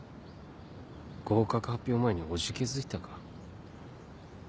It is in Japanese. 合格発表前におじけづいたか。